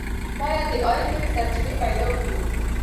باید د عاید نوې سرچینې پیدا کړو.